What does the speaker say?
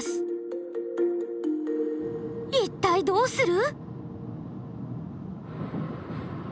一体どうする？